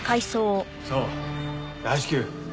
そう大至急。